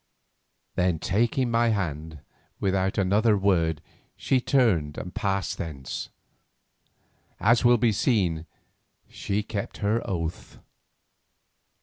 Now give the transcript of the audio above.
Then taking my hand, without another word she turned and passed thence. As will be seen, she kept her oath.